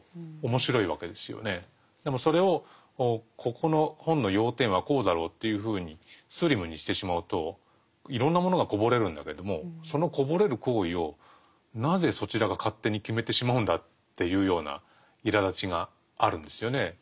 でもそれをここの本の要点はこうだろうというふうにスリムにしてしまうといろんなものがこぼれるんだけれどもそのこぼれる行為をなぜそちらが勝手に決めてしまうんだっていうようないらだちがあるんですよね。